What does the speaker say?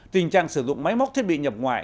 tình trạng sử dụng máy móc thiết bị nhập ngoại